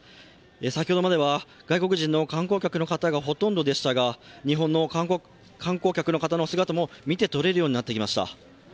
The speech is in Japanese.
先ほどまでは外国人の観光客の方がほとんどでしたが、日本の観光客の方も姿も見てとれるようになってきました。